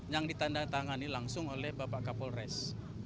yang ditandatangani langsung oleh bapak kapolres